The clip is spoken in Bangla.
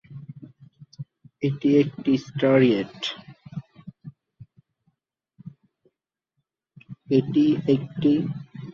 এটি একটি স্টেরয়েড।